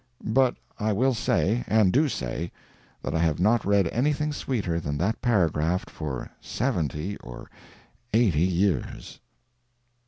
But I will say, and do say, that I have not read anything sweeter than that paragraph for seventy or eighty years.